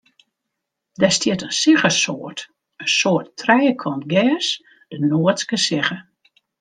Dêr stiet in siggesoart, in soart trijekant gers, de noardske sigge.